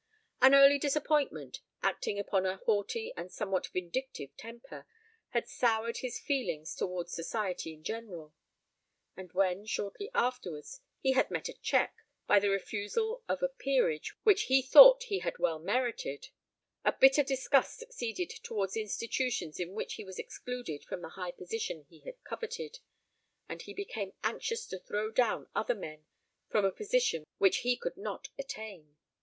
An early disappointment, acting upon a haughty and somewhat vindictive temper, had soured his feelings towards society in general; and when, shortly afterwards, he had met a check, by the refusal of a peerage which he thought he had well merited, a bitter disgust succeeded towards institutions in which he was excluded from the high position he had coveted, and he became anxious to throw down other men from a position which he could not attain.